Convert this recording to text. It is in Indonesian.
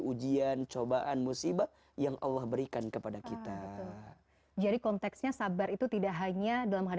ujian cobaan musibah yang allah berikan kepada kita jadi konteksnya sabar itu tidak hanya dalam